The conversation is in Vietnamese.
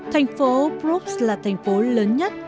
thành phố bruges là thành phố lớn nhất